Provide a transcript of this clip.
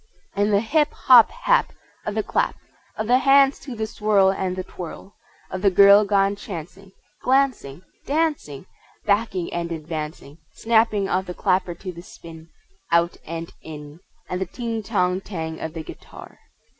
And the hip! hop! hap! Of the clap Of the hands to the swirl and the twirl Of the girl gone chancing, Glancing, Dancing, Backing and advancing, Snapping of the clapper to the spin Out and in And the ting, tong, tang of the guitar!